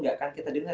ga akan kita dengar